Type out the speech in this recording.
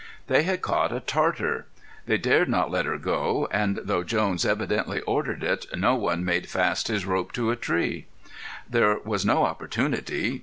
They had caught a Tartar. They dared not let her go, and though Jones evidently ordered it, no one made fast his rope to a tree. There was no opportunity.